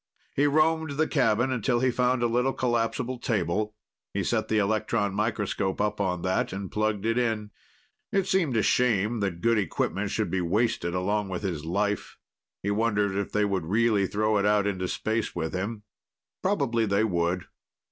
He roamed the cabin until he found a little collapsible table. He set the electron microscope up on that and plugged it in. It seemed a shame that good equipment should be wasted along with his life. He wondered if they would really throw it out into space with him. Probably they would.